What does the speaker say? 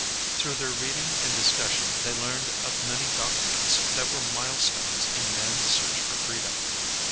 Through their reading and discussion they learned of many documents that were milestones in ''Mans Search for Freedom.